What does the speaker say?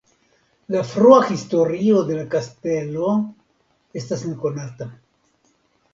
La frua historio de la kastelo estas nekonata.